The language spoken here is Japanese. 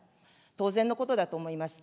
当然のことだと思います。